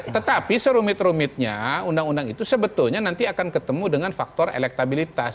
tetapi serumit rumitnya undang undang itu sebetulnya nanti akan ketemu dengan faktor elektabilitas